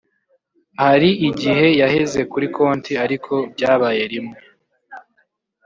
Hari igihe yaheze kuri konti ariko byabaye rimwe […]